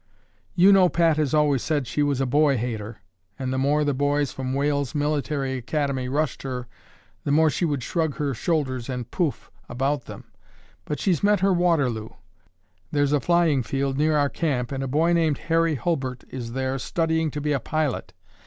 "You know Pat has always said she was a boy hater, and the more the boys from Wales Military Academy rushed her, the more she would shrug her shoulders and 'pouff!' about them, but she's met her Waterloo. There's a flying field near our camp and a boy named Harry Hulbert is there studying to be a pilot.